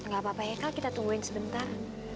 gak apa apa ya kak kita tungguin sebentar